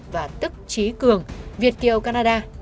và tức trí cường việt kiều canada